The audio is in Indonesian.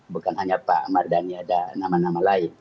bukan hanya pak mardhani ada nama nama lain